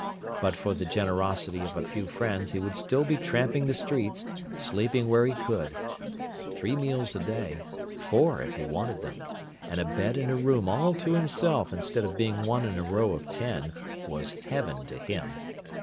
But for the generosity of a few friends he would still be tramping the streets, sleeping where he could. Three meals a day four, if he wanted them and a bed in a room all to himself instead of being one in a row of ten, was heaven to him.